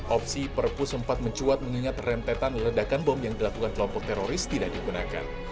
opsi perpu sempat mencuat mengingat rentetan ledakan bom yang dilakukan kelompok teroris tidak digunakan